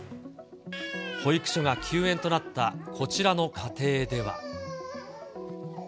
保育所が休園となった、こちらの家庭では。